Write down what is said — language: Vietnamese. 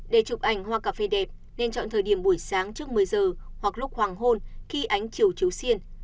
để chụp ảnh hoa cà phê đẹp nên chọn thời điểm buổi sáng trước một mươi giờ hoặc lúc hoàng hôn khi ánh chiều chiếu xiên